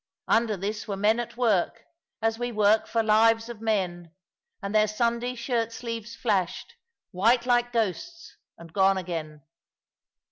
Under this were men at work, as we work for lives of men; and their Sunday shirt sleeves flashed, white like ghosts, and gone again.